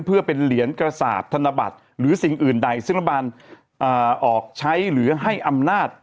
เพื่อเป็นเหรียญกระสาปธนบัตรหรือสิ่งอื่นใดซึ่งรัฐบาลออกใช้หรือให้อำนาจ